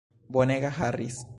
Bonega Harris!